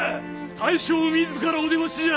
大将自らお出ましじゃ。